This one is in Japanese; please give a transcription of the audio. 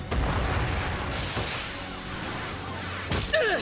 うっ！！